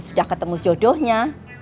sudah ketemu jodohnya